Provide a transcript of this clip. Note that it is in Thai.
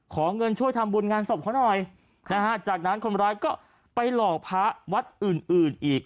ขอเงินช่วยทำบุญงานศพเขาหน่อยนะฮะจากนั้นคนร้ายก็ไปหลอกพระวัดอื่นอื่นอีก